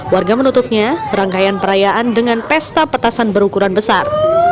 warga menutupnya berangkaian perayaan dengan pesta petasan berukuran besar